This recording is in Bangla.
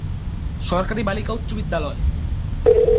সরকারি বালিকা উচ্চবিদ্যালয়।